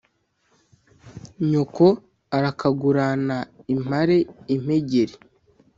nyoko arakagurana impare impengeri